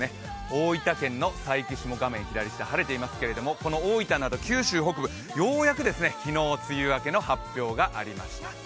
大分県の佐伯市も晴れていますけれども、この大分など、九州北部、ようやく昨日、梅雨明けの発表がありました。